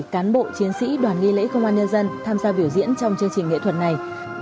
cán bộ chiến sĩ đoàn nghi lễ công an nhân dân tham gia biểu diễn trong chương trình nghệ thuật này